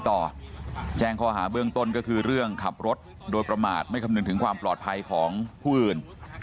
แจ้งข้อหาเบื้องต้นก็คือเรื่องขับรถโดยประมาทไม่คำนึงถึงความปลอดภัยของผู้อื่น